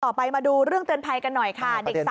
ต่อไปมาดูเรื่องเตือนไพรกันหน่อยค่ะ